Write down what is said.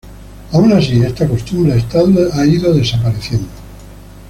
Aun así, esta costumbre ha estado desapareciendo.